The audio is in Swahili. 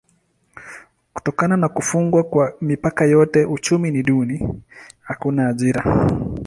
Kutokana na kufungwa kwa mipaka yote uchumi ni duni: hakuna ajira.